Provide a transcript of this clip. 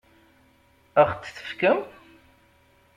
Ad ɣ-t-tefkem?